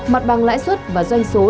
mặt bằng lãi suất và doanh số